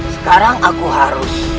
sekarang aku harus